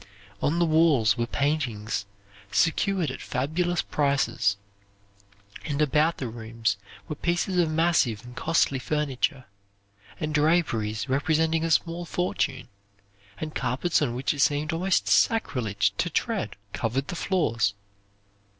On the walls were paintings secured at fabulous prices, and about the rooms were pieces of massive and costly furniture, and draperies representing a small fortune, and carpets on which it seemed almost sacrilege to tread covered the floors.